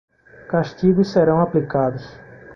Castigos serão aplicados